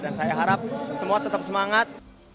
dan saya harap semua tetap semangat